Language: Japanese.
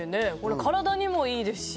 体にもいいですし。